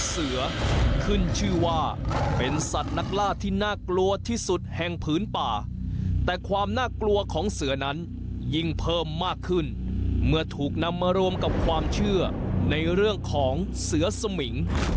เสือขึ้นชื่อว่าเป็นสัตว์นักล่าที่น่ากลัวที่สุดแห่งพื้นป่าแต่ความน่ากลัวของเสือนั้นยิ่งเพิ่มมากขึ้นเมื่อถูกนำมารวมกับความเชื่อในเรื่องของเสือสมิง